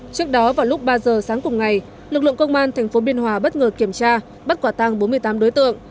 trước đó vào lúc ba giờ sáng cùng ngày lực lượng công an tp biên hòa bất ngờ kiểm tra bắt quả tăng bốn mươi tám đối tượng